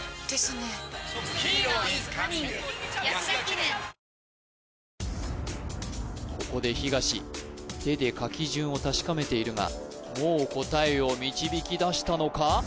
ニトリここで東手で書き順を確かめているがもう答えを導き出したのか？